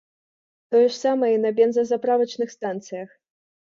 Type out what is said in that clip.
Тое ж самае і на бензазаправачных станцыях.